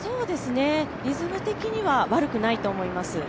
リズム的には悪くないと思います。